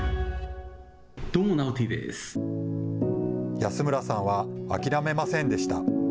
安村さんは諦めませんでした。